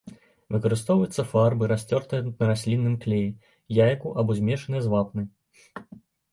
Выкарыстоўваюцца фарбы, расцёртыя на раслінным клеі, яйку або змешаныя з вапнай.